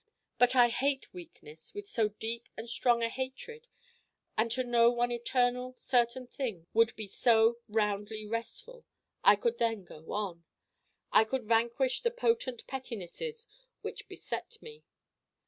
But I hate weakness with so deep and strong a hatred, and to know one eternal certain thing would be so roundly restful, I could then go on: I could vanquish the potent pettinesses which beset me.